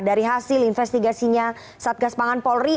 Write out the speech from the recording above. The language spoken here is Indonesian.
dari hasil investigasinya satgas pangan polri